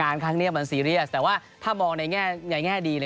อยากไปกดดัน